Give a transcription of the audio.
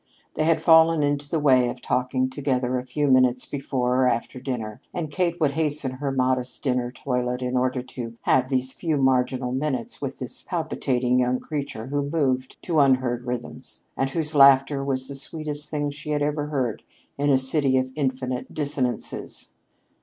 They had fallen into the way of talking together a few minutes before or after dinner, and Kate would hasten her modest dinner toilet in order to have these few marginal moments with this palpitating young creature who moved to unheard rhythms, and whose laughter was the sweetest thing she had yet heard in a city of infinite dissonances.